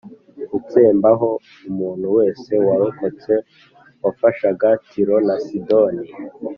gutsembaho umuntu wese warokotse wafashagac Tiro na Sidoni